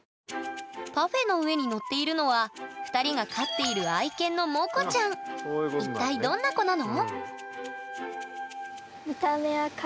パフェの上に載っているのは２人が飼っている一体どんな子なの？